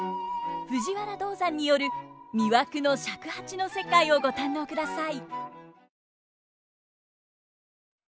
藤原道山による魅惑の尺八の世界をご堪能ください！